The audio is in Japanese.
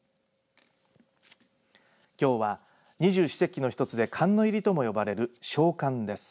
きょうは二十四節気の一つで寒の入りとも呼ばれる小寒です。